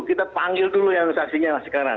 kita panggil dulu yang saksinya sekarang